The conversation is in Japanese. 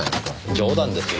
冗談ですよ。